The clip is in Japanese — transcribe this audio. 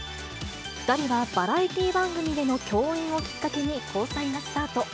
２人はバラエティー番組での共演をきっかけに交際がスタート。